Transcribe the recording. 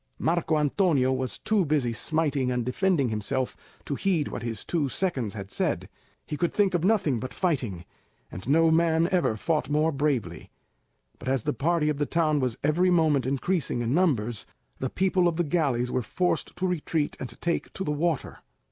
Marco Antonio was too busy smiting and defending himself to heed what his two seconds had said; he could think of nothing but fighting, and no man ever fought more bravely; but as the party of the town was every moment increasing in numbers, the people of the galleys were forced to retreat and take to the water.